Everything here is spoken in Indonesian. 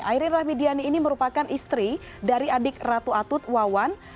airin rahmidiani ini merupakan istri dari adik ratu atut wawan